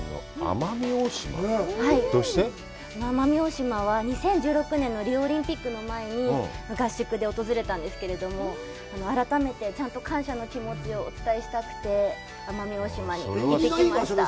奄美大島は、２０１６年のリオオリンピックの前に合宿で訪れたんですけれども、改めて、ちゃんと感謝の気持ちをお伝えしたくて、奄美大島に行ってきました。